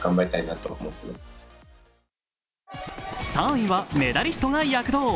３位はメダリストが躍動。